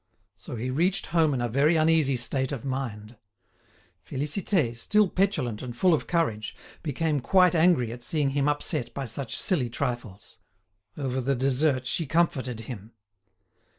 So he reached home in a very uneasy state of mind. Félicité, still petulant and full of courage, became quite angry at seeing him upset by such silly trifles. Over the dessert she comforted him.